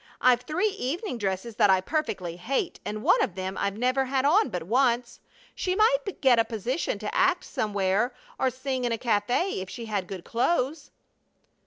I've three evening dresses that I perfectly hate, and one of them I've never had on but once. She might get a position to act somewhere or sing in a café if she had good clothes."